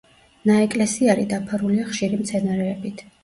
ნაეკლესიარი დაფარულია ხშირი მცენარეებით.